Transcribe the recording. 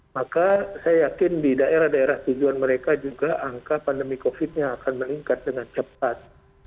maka saya yakin di daerah daerah tujuan mereka juga angka pandemi covid nya akan meningkat dengan cepat